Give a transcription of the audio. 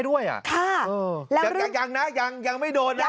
เดือนคอปกฎหมายน่ะใจเย็นน่ะ